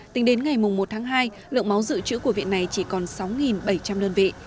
tính đến ngày một tháng hai lượng máu dự trữ của viện này chỉ còn sáu bảy trăm linh đơn vị